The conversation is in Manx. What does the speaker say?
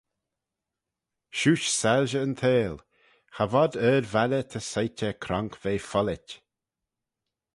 Shiuish soilshey yn theihll Cha vod ard-valley ta soit er cronk ve follit.